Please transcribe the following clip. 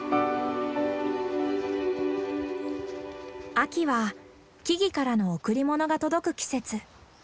秋は木々からの贈り物が届く季節。